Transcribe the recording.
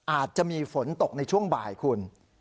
อาจจะมีฝนตกในช่วงบ่ายคุณ